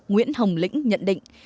nguyễn hồng lĩnh nhận định